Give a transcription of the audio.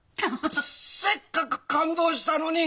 せっかく感動したのに。